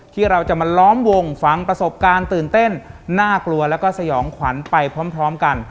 ที่เราจะมาล้อมวงฟังประสบการณ์ตื่นเต้นน่ากลัวแล้วก็สยองขวัญไปพร้อมกัน